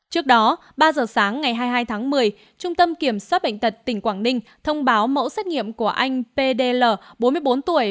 trước đó ba giờ sáng ngày hai mươi hai tháng một mươi trung tâm kiểm soát bệnh tật tỉnh quảng ninh thông báo mẫu xét nghiệm của anh pdl bốn mươi bốn tuổi